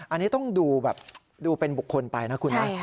อันนี้ต้องดูแบบดูเป็นบุคคลไปนะคุณนะ